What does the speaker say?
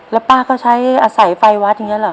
แล้วป้าก็ใช้อาศัยไฟวัดอย่างนี้เหรอ